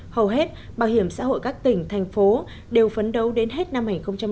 hầu hết bảo hiểm xã hội các tỉnh thành phố đều phấn đấu đến hết năm hai nghìn hai mươi